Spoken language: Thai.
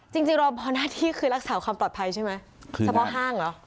จริงรอพอหน้าที่คือรักษาความปลอดภัยใช่ไหมเฉพาะห้างเหรอ